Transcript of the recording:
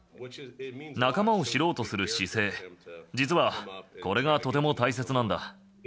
仲間を知ろうとする姿勢、実はこれがとても大切なんだ。